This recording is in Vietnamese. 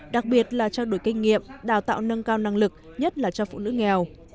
đặc biệt là trao đổi kinh nghiệm đào tạo nâng cao năng lực nhất là cho phụ nữ nghèo